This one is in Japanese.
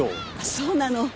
そうなの。